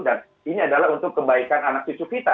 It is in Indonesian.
dan ini adalah untuk kebaikan anak cucu kita